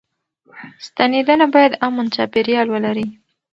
ستنېدنه بايد امن چاپيريال ولري.